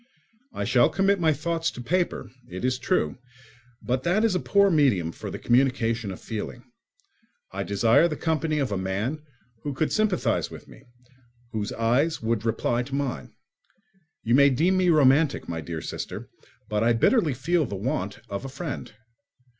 I shall commit my thoughts to paper, it is true; but that is a poor medium for the communication of feeling. I desire the company of a man who could sympathise with me, whose eyes would reply to mine. You may deem me romantic, my dear sister, but I bitterly feel the want of a friend.